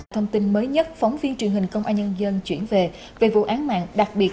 thông tin mới nhất phóng viên truyền hình công an nhân dân chuyển về về vụ án mạng đặc biệt